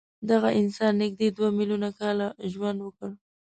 دغه انسان نږدې دوه میلیونه کاله ژوند وکړ.